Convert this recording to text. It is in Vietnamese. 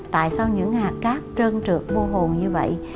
tại sao những hạt cát trơn trượt vua hồn như vậy